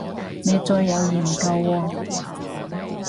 你最有研究喎